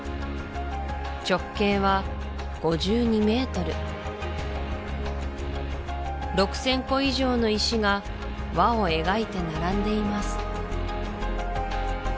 直径は５２ｍ６０００個以上の石が輪を描いて並んでいます